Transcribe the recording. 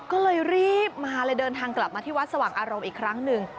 ก็เลยรีบมาเลยเดินทางกลับมาที่วัดสว่างอารมณ์อีกครั้งหนึ่ง